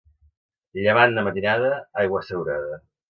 Llevant de matinada, aigua assegurada.